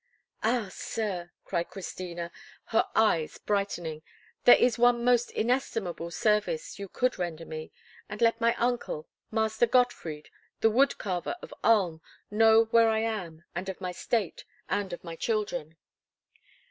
"Ah, sir," cried Christina, her eyes brightening, "there is one most inestimable service you could render me—to let my uncle, Master Gottfried, the wood carver of Ulm, know where I am, and of my state, and of my children."